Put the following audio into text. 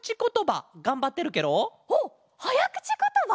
おっはやくちことば？